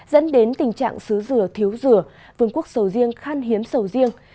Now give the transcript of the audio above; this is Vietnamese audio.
dẫn đến tình trạng xứ rửa thiếu rửa vườn quốc sầu riêng khan hiếm sầu riêng